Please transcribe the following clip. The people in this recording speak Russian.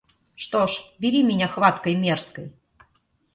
Что ж, бери меня хваткой мёрзкой!